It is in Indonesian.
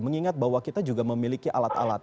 mengingat bahwa kita juga memiliki alat alat